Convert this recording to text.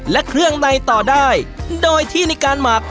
และเครื่องในต่อได้โดยที่ในการหมัก